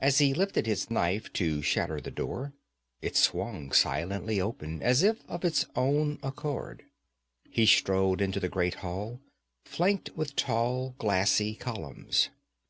As he lifted his knife to shatter the door, it swung silently open as if of its own accord. He strode into the great hall, flanked with tall glassy columns.